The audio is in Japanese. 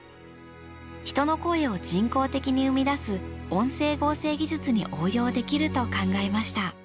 人の声を人工的に生み出す音声合成技術に応用できると考えました。